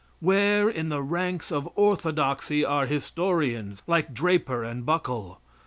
Where in the ranks of orthodoxy are historians like Draper and Buckle?